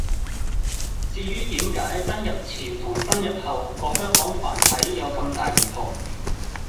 至於點解登入前同登入後個「香港繁體」有咁大唔同